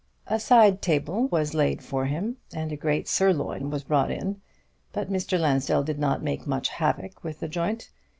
A side table was laid for him, and a great sirloin was brought in. But Mr. Lansdell did not make much havoc with the joint.